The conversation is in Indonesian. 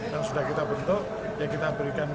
yang sudah kita bentuk ya kita berikan